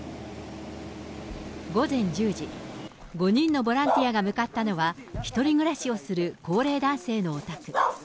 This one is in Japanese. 午前１０時、５人のボランティアが向かったのは、１人暮らしをする高齢男性のお宅。